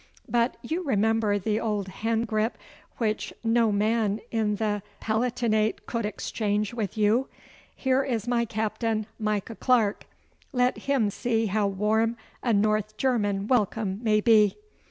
But you remember the old hand grip which no man in the Palatinate could exchange with you? Here is my captain, Micah Clarke. Let him see how warm a North German welcome may be.